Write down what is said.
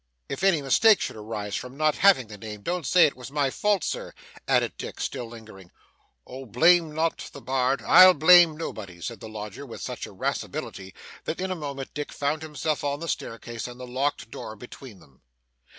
'If any mistake should arise from not having the name, don't say it was my fault, Sir,' added Dick, still lingering. 'Oh blame not the bard ' 'I'll blame nobody,' said the lodger, with such irascibility that in a moment Dick found himself on the staircase, and the locked door between them.